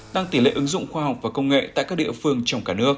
tăng tỷ lệ ứng dụng khoa học và công nghệ tại các địa phương trong cả nước